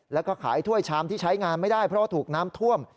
แล้วก็ขายถ้วยชามที่ใช้งานไม่ได้เพราะว่าถูกน้ำท่วม